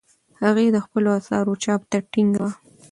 هغې د خپلو اثارو چاپ ته ټینګه وه.